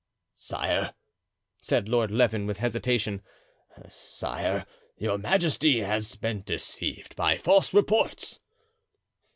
"Sire," said Lord Leven, with hesitation, "sire, your majesty has been deceived by false reports."